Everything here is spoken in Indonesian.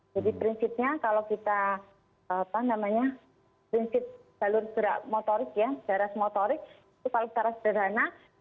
jadi prinsipnya kalau kita apa namanya prinsip jalur gerak motorik ya jaras motorik itu paling teras beranak